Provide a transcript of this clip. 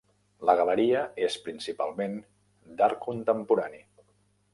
La galeria és principalment d'art contemporani.